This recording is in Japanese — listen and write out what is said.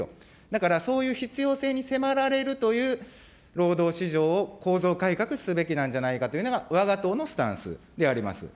だから、そういう必要性に迫られるという労働市場を構造改革すべきなんじゃないかなというのが、わが党のスタンスであります。